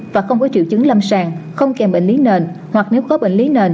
và không có triệu chứng lâm sàng không kèm bệnh lý nền hoặc nếu có bệnh lý nền